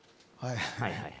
はいはい。